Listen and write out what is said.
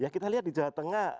kita lihat di jawa tengah